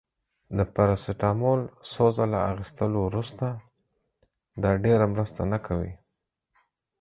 د پاراسټامول څو ځله اخیستلو وروسته، دا ډیره مرسته نه کوي.